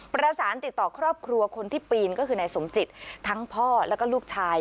ประสานติดต่อครอบครัวคนที่ปีนก็คือนายสมจิตทั้งพ่อแล้วก็ลูกชาย